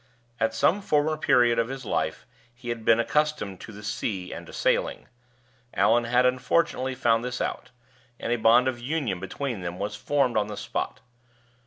At some former period of his life he had been accustomed to the sea and to sailing. Allan had, unfortunately, found this out, and a bond of union between them was formed on the spot.